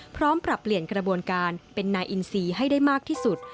พร้อมปรับเปลี่ยนกระบวนการเป็นนายอินซีให้ได้มากที่สุด